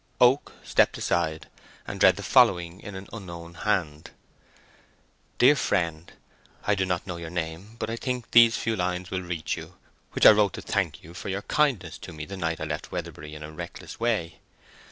Oak stepped aside, and read the following in an unknown hand:— DEAR FRIEND,—I do not know your name, but I think these few lines will reach you, which I wrote to thank you for your kindness to me the night I left Weatherbury in a reckless way.